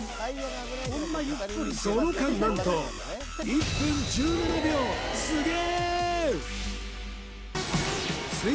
その間何と１分１７秒すげえ！